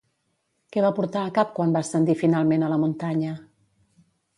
Què va portar a cap quan va ascendir finalment a la muntanya?